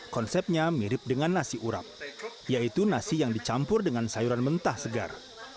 konsepnya mirip dengan nasi urap yaitu nasi yang dicampur dengan sayuran mentah segar